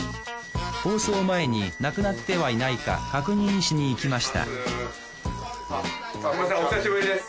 放送前になくなってはいないか確認しにいきましたごめんなさいお久しぶりです。